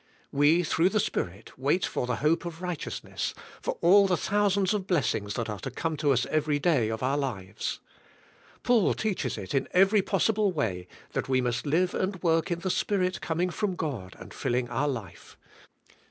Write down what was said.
We, through the Spirit, wait for the hope of right eousness, for all the thousands of blessings that are to come to us every day of our lives. Paul teaches it in every possible way, that we must live and work in the Spirit coming from God and filling our life.